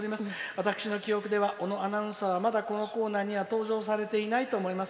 私の記憶では小野アナウンサーは、まだこのコーナーには登場されてないと思います。